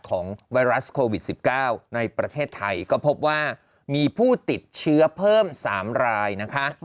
ไวรัสโควิด๑๙ในประเทศไทยก็พบว่ามีผู้ติดเชื้อเพิ่ม๓รายนะคะ